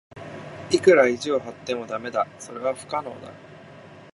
いくら意地を張っても駄目だ。それは不可能だ。